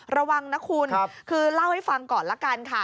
ระวังนะคุณคือเล่าให้ฟังก่อนละกันค่ะ